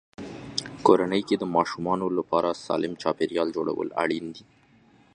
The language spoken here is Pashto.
کورنۍ کې د ماشومانو لپاره سالم چاپېریال جوړول اړین دي.